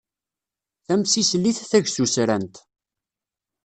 Tamsislit tagsusrant.